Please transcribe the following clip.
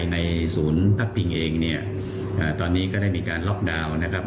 ในศูนย์พักพิงเองเนี่ยตอนนี้ก็ได้มีการล็อกดาวน์นะครับ